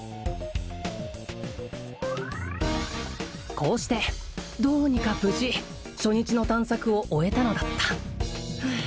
こうしてどうにか無事初日の探索を終えたのだったふう